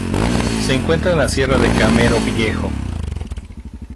Se encuentra en la sierra de Camero Viejo.